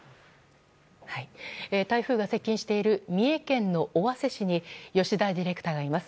台風が接近している三重県の尾鷲市に吉田ディレクターがいます。